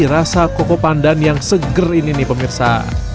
rasa koko pandan yang seger ini nih pemirsa